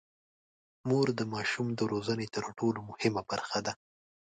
مور د ماشوم د روزنې تر ټولو مهمه برخه ده.